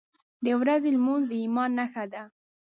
• د ورځې لمونځ د ایمان نښه ده.